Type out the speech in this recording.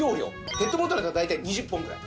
ペットボトルだと大体２０本ぐらい。